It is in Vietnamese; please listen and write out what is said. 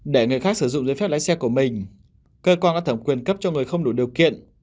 để người khác sử dụng giấy phép lái xe của mình cơ quan có thẩm quyền cấp cho người không đủ điều kiện